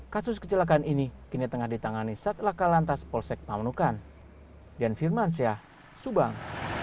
kasus kecelakaan ini kini tengah ditangani sat laka lantas polsek pamanukan dan firman syah subang